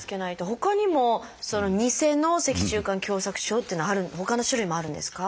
ほかにも「ニセの脊柱管狭窄症」っていうのはほかの種類もあるんですか？